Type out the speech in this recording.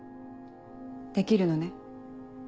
できるのね？